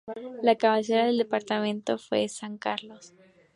La cabecera del departamento fue San Carlos.